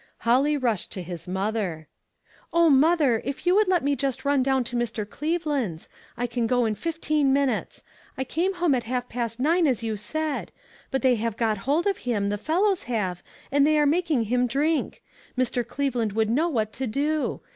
Holly rushed to his mother. "0, mother, if you would let me just run down to Mr. Cleveland's. I can go in fifteen minutes. I came home at half past nine, as you said. But they have got hold of him, the fellows have, and they are making him drink. Mr. Cleveland would know what to do.